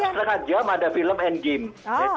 setengah jam ada film end game